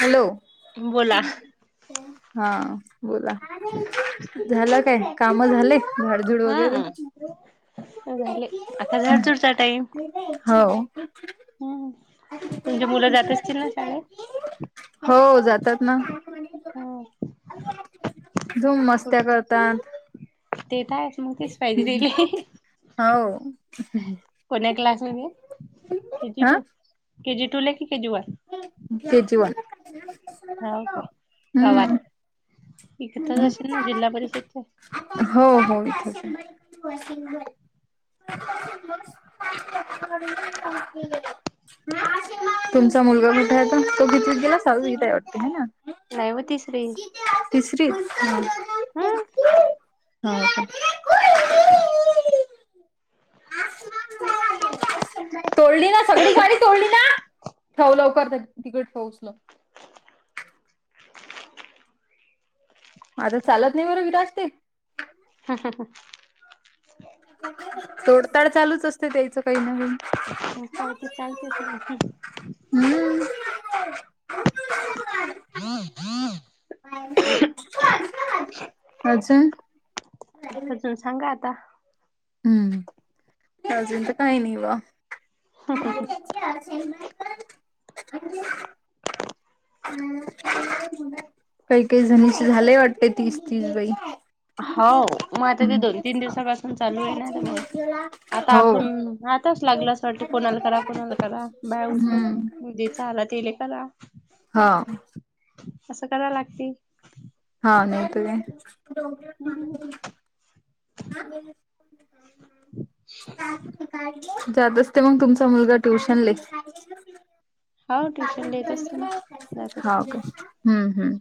Hello [unintelligible] बोला [unintelligible] हा बोला झालं काय काम झाले [unintelligible] झाडझुड वगैरे हा [unintelligible] झाले. आता झाडझुडचा हो [unintelligible] हम् तुमची मुलं जात असतील ना शाळेत [unintelligible] हो जातात ना [unintelligible] झूम कुठ मस्त्या करतात. [unintelligible] ते तर आहेच मग तेच पाहिजे तेला. [unintelligible] हो. [unintelligible] को क्लास ला के ज हा टू के ज टू ला क के ज वान [unintelligible] के जीवान [unintelligible] हा काय गावात इकतच असेल ना जिल्हा परिषदच्या [unintelligible] हो हो इथेच [unintelligible] [unintelligible] [unintelligible] तुमचा मुलगा कुठे आहे तो भतीून गेला लू येत आहे वाटते ह ना. [unintelligible] नाहीव तिसरी [unintelligible] तिसरी स्ान. [unintelligible] हम. [unintelligible] होम. [unintelligible] [inaudible] तोडली ना सगळी गाडी तोडली ना ठेव लवकर तिकड ठेवचल. आता चालत नाही बर विराट ते. ह ह ह. तोडताड चालूच असते त्यायचं काही ना काही. काय ते चालतेच मग. हम्म. अच्छा. अजून सांगा आता. हम्म अजून तर काही नाही बा आ [unintelligible] काही, काही झाणीचे झालंय वाटते तीस, तीस बाई. हाव मग आता ते दोन, तीन दिवसापासून चालू आहे ना ते मग आता हो. आपण आताच लागला असं वाटते कोणाला करा, कोणाला करा बाया हम्म. उचलत जिचा आला तिले करा. हा. असं करा लागते. हा नाहीत काय. हम्म. ह. जात असते मग तुमचा मुलगा ट्युशनले? हो ट्युशन ला येत असते ना जात असते हाव का. ना हम्म, हम्म.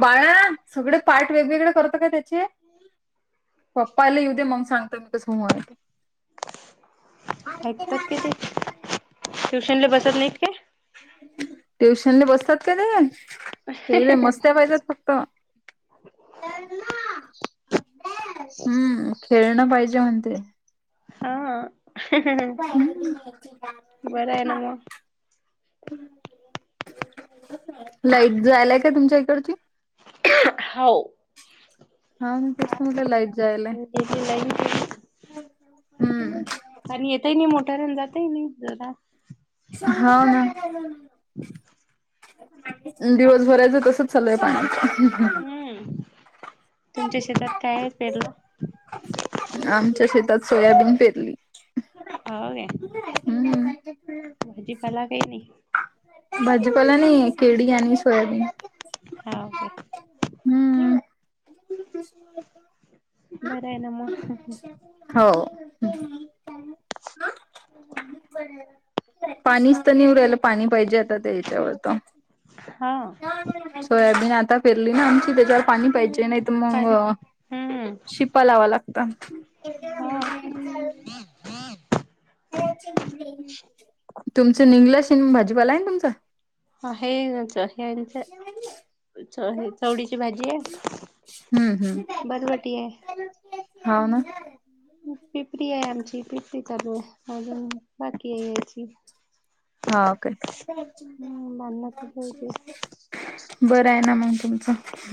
बाळा सगळे पार्ट वेगवेगळे करत काय त्याचे पप्पाला येऊ दे मग सांगता मी कस होय. ऐकतात का ते, ट्युशनले बसत नाहीत का? ट्युशन ले बसतात का ते. ते मस्त्या पाहिजेत फक्त. हम्म खेळणं पाहिजे म्हणते. हा बर आहेन म. लाईक जायेल हाय का तुमच्या इकडची? हाव. हा मग तेसत म्हटलं लाईट जायेल गेली लाईन गेली हाय, हम्म. आणि येतय नाही मोठ्या यांना जातय नाही जरा. हाव ना. दिवस भरायच तसच चालु हाय पाणी हम्म, तुमच्या शेतात काय आहे पेरल? आमच्या शेतात सोयाबीन पेरली. हाव काय. हम्म. भाजीपाला काही नाही भाजीपाला नाही हाय केडी आणि सोयाबीन. हाव काय. हम्म. बर आहेन म हो. पाणीच तर नाही येऊ राहील पाणी पाहिजे आता त्या याच्यावर तर. हा.. सोयाबीन आता फिरली ना आमची त्याच्यावर पाणी पाहिजे. नाही तर पाणी मग हम्म शिपा लावा लागतात. हा तुमच निंगलाशीन भाजीपाला आहेन तुमचा? ह, हे, हेच हे चवडीची भाजी आहे. हम्म हम्म बरबटी आहे हव ना [unintelligible] पिपरी आहे आमची पिपरी चालू आहे अजून बाकी आहे याची [unintelligible] हा ओके हम्म बांधण्यात [unintelligible] बरं आहे ना मग तुमचं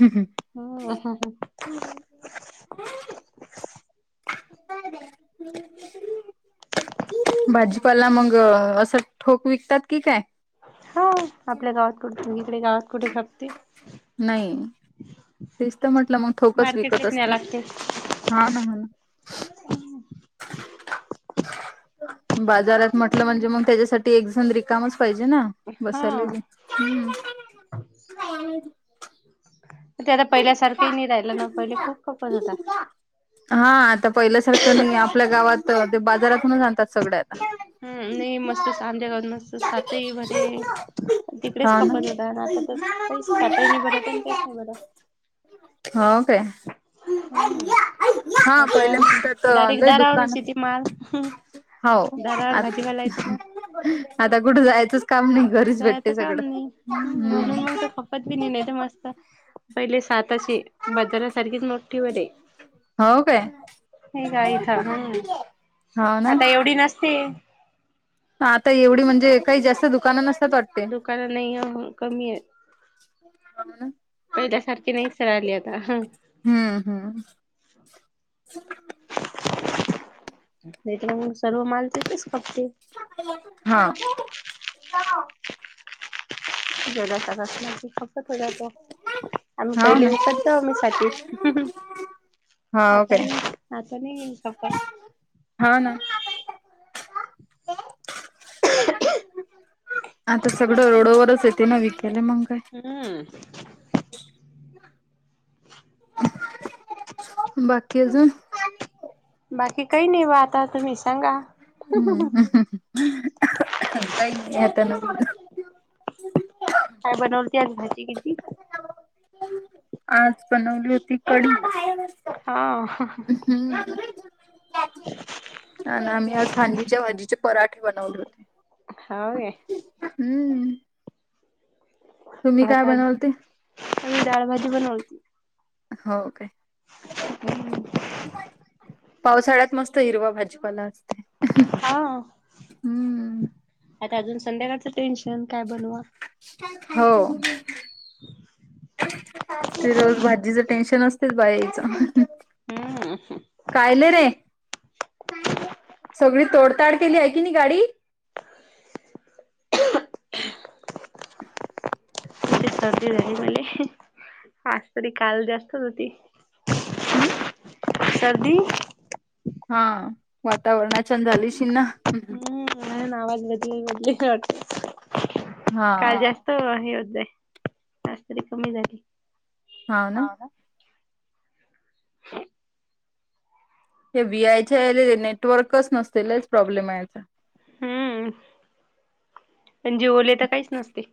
ह [unintelligible] [unintelligible] भाजीपाला मग असं ठोक विकतात की काय [unintelligible] होा आपल्या गावात कुठे तुमही इकडे गावात कुठे खपते नाही. [unintelligible] तेच तर म्हटलं मग ोकच विकत मार्केटलाच न्याय असते लागते [unintelligible] हा ना ह ना [unintelligible] बाजारात म्हटलं म्हणजे मग त्याच्यासाठी एकजण रिकामच पाहिजे ना [unintelligible] हा बसल हम्म [unintelligible] [unintelligible] ते आता पहिल्यासारखंही नाही राहिलं ना पहिले खूप खपत होता [unintelligible] हा आता पहिल्यासारखं नाही आपल्या गावात ते बाजारातूनच आणतात सगळ आता [unintelligible] हम नाही मस्त सांध्या करन मस्त सातही बर [unintelligible] तिकडेच हा ना खपत होत आणि आता त काहीच आातही नाही भरत आणि काहीच नाही भरत [unintelligible] होा काे [unintelligible] हम्म आता म्हणतात दारीक लय दुकान दारावरच ती माल [unintelligible] हो दारावर आ भाजीपाला येत ना आता कुठे जायचंच काम नाही [unintelligible] घरीच जायचं भेटते सगळं हम्म [unintelligible] त बी नाही मस्त पहिले सातश बाजार सारखीच मोठीवर आहे [unintelligible] हो काय हे का इथं हम्म [unintelligible] ना आता एवढी नसते [unintelligible] आता एवढी म्हणजे काही जास्त दुकानं नसतात वाटत [unintelligible] दुकान नाही कमी आहे [unintelligible] ह [unintelligible] पहिल्यासारखी नाही स आली आता ह [unintelligible] हम्म हम् [unintelligible] अ [unintelligible] नाही तर सर्व माल तेतच खपते [unintelligible] हा [unintelligible] जग [unintelligible] थोड आम्ही हो पहिली ना वखत जाऊ मी सााती [unintelligible] हो आता काय नाही आता नाही कप [unintelligible] हा ना [unintelligible] आता सगळं रोडोवरच येते ना विकले मग काय [unintelligible] हम् [unintelligible] बाकी अजून [unintelligible] बाकी काही नाही बा आता तुम्ही सांगा [unintelligible] हम्म काही नाही आता [unintelligible] काय बनवते भाजी किती [unintelligible] आज बनवली होती कढी [unintelligible] हा [unintelligible] हम्म ना आम्ही आज फांदीच्या भाजीच्या [unintelligible] पराठे बनवले होते [unintelligible] होे [unintelligible] हम्म तुम्ही काय आता बनवलते? आमही डाळ भाजी बनवती हो काय पावसाळ्यात मस्त हिरवा भाजीपाला असतय. हा आता अजून संध्याकाळचं टेन्शन काय बनवा हो. ते रोज भाजीचं टेन्शन असतेच बायचं हम्म हं कायल रे सगळी तोडताड केली हाय की नाय गाडी ते सर्दी झाली मले आज तरी काल जास्त होती. हम्म सर्दी हा वातावरणा चेन झाली अशिल ना हम्म म्हणून आवाज बदली बदली वाट काय हा जाल हे होतय आज तरी कमी झाली हो न. ते व्ही आय याल नेटवर्कच नसतय लयच प्रॉब्लेम ह्येचा हम्म अनं जियो ला तर काहीच नसते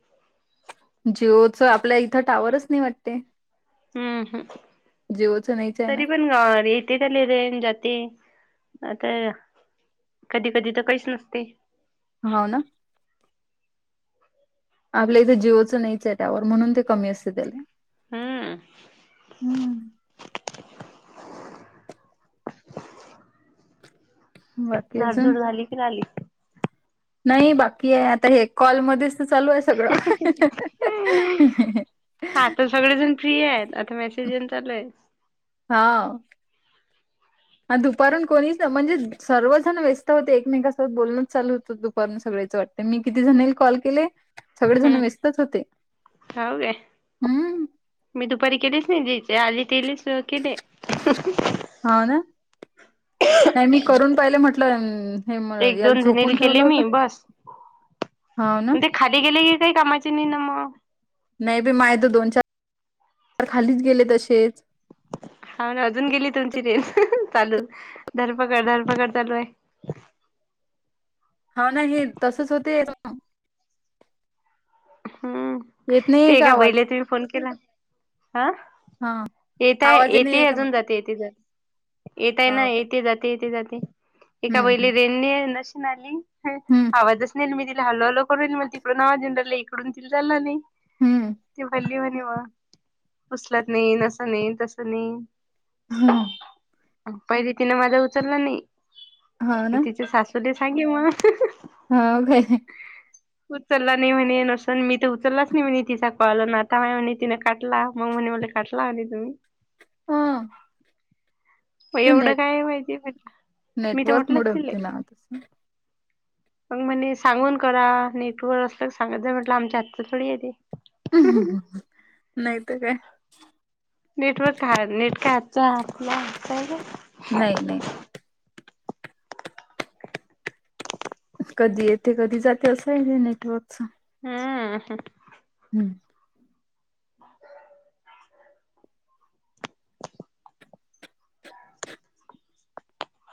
जिओच आपल्या इथं टावरच नाही वाटते. अहं ह जिओचं नाहीच आहे ना तरी पण अ इथे त्याले रेंज जाते आता कधी कधी त काहीच नसते. हो ना. आपल्या इथे जिओचं नाहीच ये टॉवर म्हणून ते कमी असते त्याले हम्म हम्म [unintelligible] बाकी अजून झाडझुड झाली की झाली. नाही बाकी ये आता हे कॉलमधीच सगळं आता सगळेजण फ्री येत आता मेसेज येन चालूय. हाव हा दुपारून कोणीच ना म्हणजे सर्वजण व्यस्त होते एकमेकांन सोबत बोलणच चालू होतं दुपारून सगळेचं वाट मी किती जणीला कॉल केले. सगळेजण हम्म व्यस्तच होते हो काय हम्म मी दुपारी केलीच नाही जे चे आली तेलेच केले हाव ना नाय मी करून पाहिलं म्हटलं हे म एक याल दोन जणीला झोपून ठेवलं केले होत मी बस हो ना ते खाली गेले की काय कामाची नी न म नाय बी माय तर दोन चार खालीच गेले तसेच हा ना अजून गेली तुमची रेस चालू धरपकड धरपकड चालू हाय हावं ना हे तसंच होते. हं येत नाहीये ते का एका आवाज? बाईला तुम्ही फोन केला? हा हां. येेताय आवाज येत येते नाहीये का अजून म्हटलं? जाते येते जाते येताय ना हाव काय? येते जाते येते जाते. एका हं, बाईला हं. रेण णे नशिन आली हं, आवाजच नय मी तिला हॅलो हॅलो करून म्हणती ते ना झेंडला इकडून किंजळाले हं. ती बोल्ली म्हणे मा उसलात नईन असं नई तसं नाई ह अनं पहिली तिने माझा उचलला नई हाव ना? अनं तिची सासु तर ते सांगे म हावं काय उचलला नाही म्हणे नं असं पण मी त उचललाच नाही म्हणे तीचा कॉल अनं आता म्हणे तीने कटला मग म्हणे मला कटला आणि तुम्ही हा मग एवढं काय माहितीे मी तर म्हटलं नेटवर्कमुळे असेल होते ना तसं. मग मणे सांगून करा नेटवर असत सांगत जा म्हटलं आमच्या हातच थोडी आहे ते नाहीतर काय? नेटवर्क नेट काय हातच आपलं आहे का? नाही नाही कधी येते कधी जाते असं आहे नेटवर्कच हं हं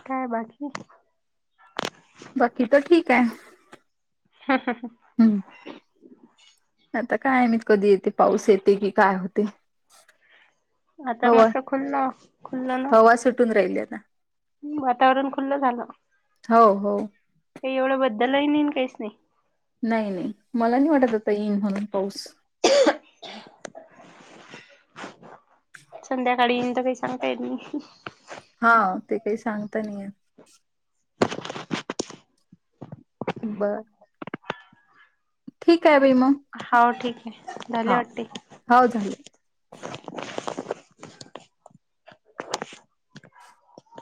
काय बाकी बाकी तर ठीक आहे हा हा ह हं आता काय माहित कधी येतो? पाऊस येतो का? काय होतो? आता मस्त खुल्ल खुल्ल ना हवा सुटून राहिली आता वातावरण खुल्लं झालं हो हो काही एवढं बद्दल ही नाही काहीच नाही नाही नाही मला नाही वाटत आता येईन म्हणून पाऊस [unintelligible] संध्याकाळी तर काही सांगता येत नाही. हा ते काही सांगता नाहीे येत बर ठीक आहे बाई मग हो ठीक आहे झाल हा वाटते हो झाले.